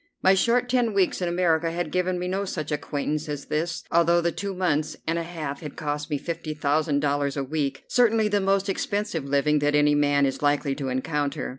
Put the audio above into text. My short ten weeks in America had given me no such acquaintance as this, although the two months and a half had cost me fifty thousand dollars a week, certainly the most expensive living that any man is likely to encounter.